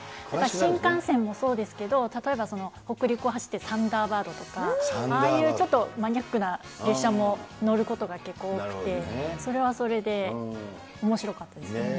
新幹線もそうですけれども、例えば、北陸を走ってるサンダーバードとか、ああいうちょっとマニアックな列車も乗ることが結構多くて、それはそれでおもしろかったですね。